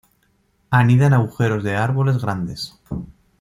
Anida en agujeros de árboles grandes.